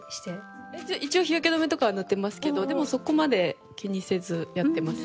一応日焼け止めとかは塗ってますけどでもそこまで気にせずやってますね。